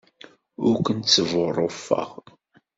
Ur kent-sbuṛṛufeɣ.